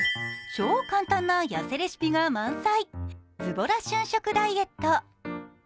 超簡単な痩せレシピが満載「ずぼら瞬食ダイエット」。